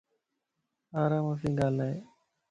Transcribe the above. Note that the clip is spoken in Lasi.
آرام سين ڳالھائين